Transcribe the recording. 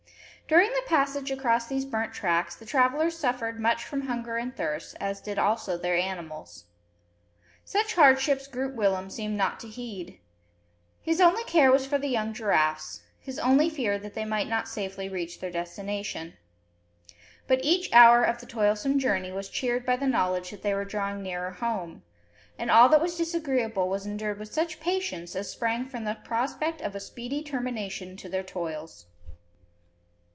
During the passage across these burnt tracts, the travellers suffered much from hunger and thirst, as did also their animals. Such hardships Groot Willem seemed not to heed. His only care was for the young giraffes; his only fear that they might not safely reach their destination. But each hour of the toilsome journey was cheered by the knowledge that they were drawing nearer home; and all that was disagreeable was endured with such patience as sprang from the prospect of a speedy termination to their toils.